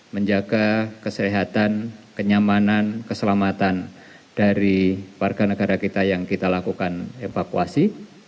menjaga kesehatan kenyamanan keselamatan dari warga negara kita yang kita lakukan evakuasi